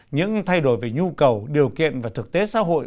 những thay đổi về nhu cầu điều kiện và thực tế xã hội